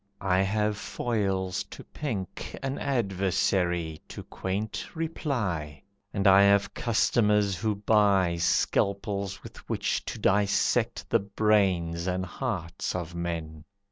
I have foils to pink An adversary to quaint reply, And I have customers who buy Scalpels with which to dissect the brains And hearts of men.